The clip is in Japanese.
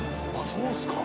そうですか。